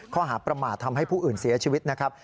ข้อหาประมาททำให้ผู้อื่นเสียชีวิตนะครับ